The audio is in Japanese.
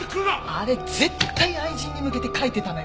あれ絶対愛人に向けて書いてたのよ。